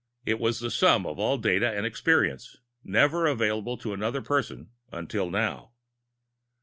It was the sum of all data and experience, never available to another person until now.